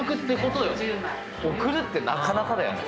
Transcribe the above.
送るってなかなかだよね。